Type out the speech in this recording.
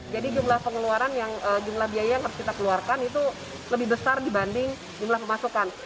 jadi jumlah pengeluaran yang jumlah biaya yang harus kita keluarkan itu lebih besar dibanding jumlah pemasukan